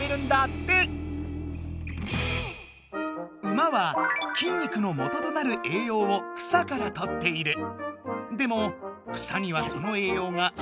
馬は筋肉のもととなるえいようを草からとっている。